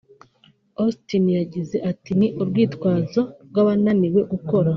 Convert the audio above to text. Austin yagize ati “ni urwitwazo rw’abananiwe gukora